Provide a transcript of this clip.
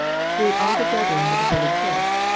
Greet all the brethren with a holy kiss.